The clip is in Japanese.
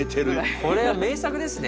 これは名作ですね。